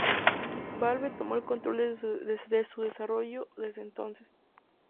Valve tomó el control de su desarrollo desde entonces.